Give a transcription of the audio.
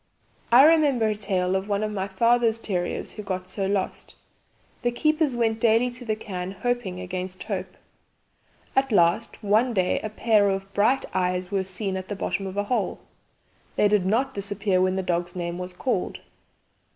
"I remember a tale of one of my father's terriers who got so lost. The keepers went daily to the cairn hoping against hope. At last one day a pair of bright eyes were seen at the bottom of a hole. They did not disappear when the dog's name was called.